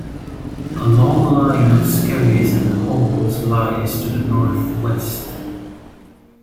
A long line of skerries and holms lies to the north west.